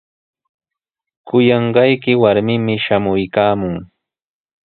Kuyanqayki warmimi shamuykaamun.